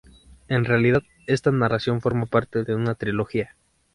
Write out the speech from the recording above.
En realidad esta narración forma parte de una trilogía.